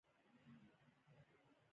مشران به تر هغه وخته پورې نجونې تشویقوي.